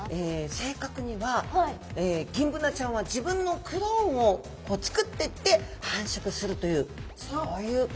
正確にはギンブナちゃんは自分のクローンをつくってって繁殖するというそういうことなんですね。